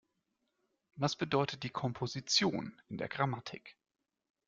Was bedeutet die Komposition in der Grammatik?